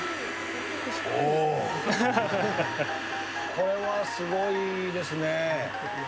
これはすごいですね。